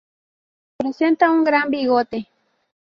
Presenta un gran bigote.